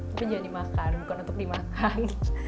tapi jangan dimakan bukan untuk dimakan